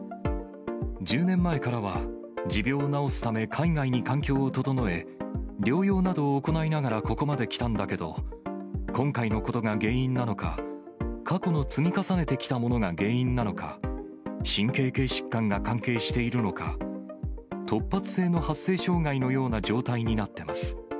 １０年前からは、持病を治すため、海外に環境を整え、療養などを行いながらここまで来たんだけど、今回のことが原因なのか、過去の積み重ねてきたものが原因なのか、神経系疾患が関係しているのか、突発性の発声障害のような状態になってます。